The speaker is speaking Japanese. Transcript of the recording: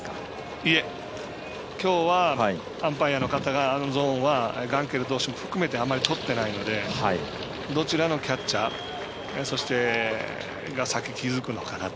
いいえ、きょうはアンパイアの方があのゾーンはガンケル投手含めてあまりとってないのでどちらのキャッチャーが先に気付くのかなと。